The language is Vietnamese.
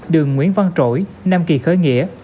đường nguyễn văn trỗi nam kỳ khởi nghĩa